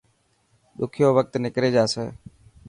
ڏکيو وقت نڪري جاسي.